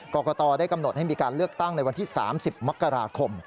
กรกตได้กำหนดให้มีการเลือกตั้งในวันที่๓๐มกราคม